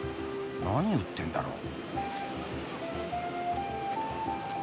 何売ってんだろう？